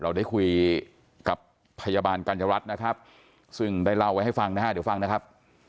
เราได้คุยกับพยาบาลกัญญรัฐนะครับซึ่งได้เล่าไว้ให้ฟังนะฮะเดี๋ยวฟังนะครับ